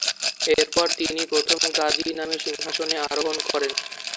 এরপর তিনি প্রথম গাজি নামে সিংহাসনে আরোহণ করেন।